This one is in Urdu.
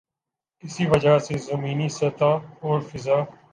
اسی وجہ سے زمینی سطح اور فضا